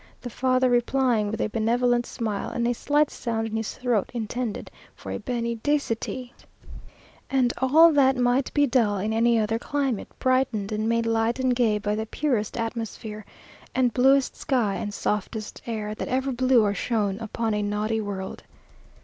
the father replying with a benevolent smile, and a slight sound in his throat intended for a Benedicite; and all that might be dull in any other climate brightened and made light and gay by the purest atmosphere, and bluest sky, and softest air, that ever blew or shone upon a naughty world.